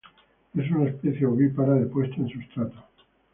Es una especie ovípara de puesta en sustrato.